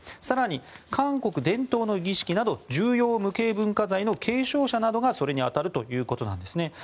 更に韓国伝統の儀式など重要無形文化財の継承者などがそれに当たるということです。